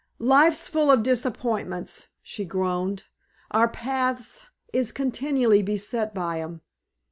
"Life's full of disappointments," she groaned. "Our paths is continually beset by 'em.